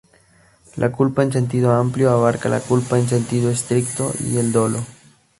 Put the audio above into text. La culpa en sentido amplio abarca la culpa en sentido estricto, y el dolo.